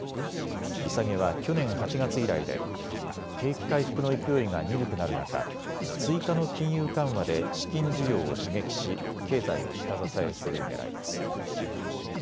利下げは去年８月以来で景気回復の勢いが鈍くなる中、追加の金融緩和で資金需要を刺激し経済を下支えするねらいです。